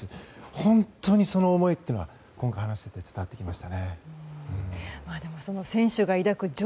本当にその思いというのは今回話してて伝わってきました。